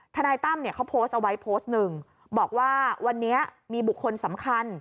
นายตั้มเนี่ยเขาโพสต์เอาไว้โพสต์หนึ่งบอกว่าวันนี้มีบุคคลสำคัญ